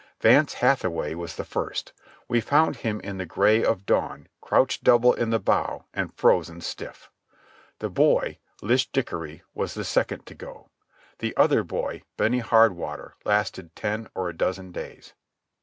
Vance Hathaway was the first. We found him in the gray of dawn crouched doubled in the bow and frozen stiff. The boy, Lish Dickery, was the second to go. The other boy, Benny Hardwater, lasted ten or a dozen days.